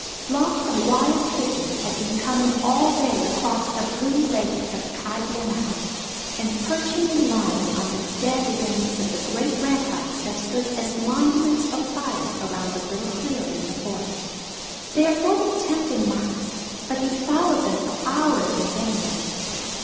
Flocks of Wild Pigeons had been coming all day across the blue Lake of Cayggeonull, and perching in line on the dead limbs of the great rampikes that stood as monuments of fire, around the little clearing in the forest, they afforded tempting marks; but he followed them for hours in vain.